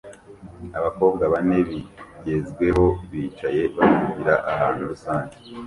Abakobwa bane bigezweho bicaye bavugira ahantu rusange